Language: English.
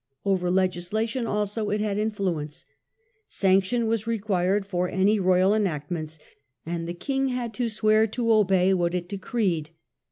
Over legislation also it had influence ; sanction was required for any royal enactment and the King had to swear to obey what it decreed.